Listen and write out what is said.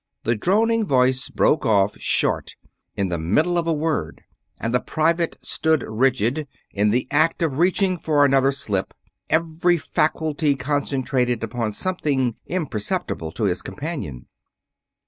The droning voice broke off short in the middle of a word and the private stood rigid, in the act of reaching for another slip, every faculty concentrated upon something imperceptible to his companion.